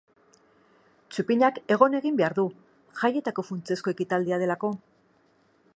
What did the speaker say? Txupinak egon egin behar du, jaietako funtsezko ekitaldia delako.